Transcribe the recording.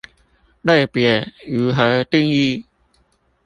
類別如何定義